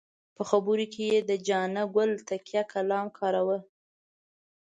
په خبرو کې یې د جانه ګله تکیه کلام کاراوه.